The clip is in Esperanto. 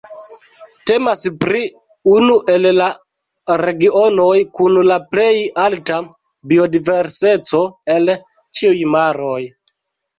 Temas pri unu el la regionoj kun la plej alta biodiverseco el ĉiuj maroj.